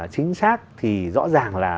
chính xác thì rõ ràng là